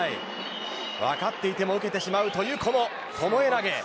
分かっていても受けてしまうというこの巴投。